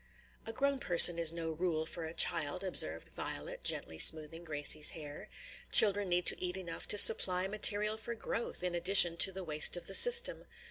"A grown person is no rule for a child," observed Violet, gently smoothing Gracie's hair; "children need to eat enough to supply material for growth in addition to the waste of the system.